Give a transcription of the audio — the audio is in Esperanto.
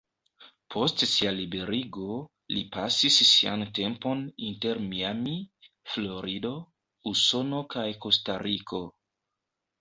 Post sia liberigo, li pasis sian tempon inter Miami, Florido, Usono kaj Kostariko.